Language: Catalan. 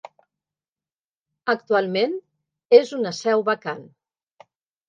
Actualment és una seu vacant.